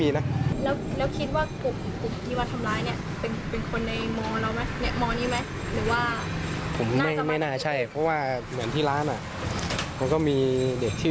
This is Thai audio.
ไม่พูดดีกว่าคือถ้าสมมติว่ามันกล้าก่อเฮขนาดนี้